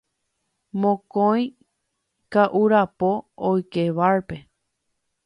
Mokõi ka'urapo oike bar-pe.